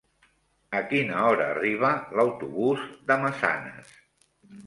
A quina hora arriba l'autobús de Massanes?